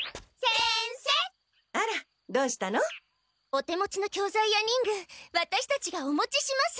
お手持ちの教材や忍具ワタシたちがお持ちします。